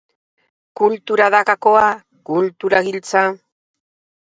Kultura da gakoa, kultura giltza.